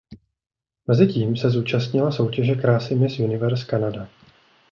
Mezitím se zúčastnila soutěže krásy Miss Universe Canada.